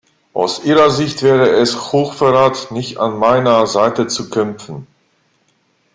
Aus ihrer Sicht wäre es Hochverrat, nicht an meiner Seite zu kämpfen.